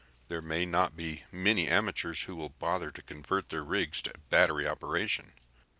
There may not be many amateurs who will bother to convert their rigs to battery operation.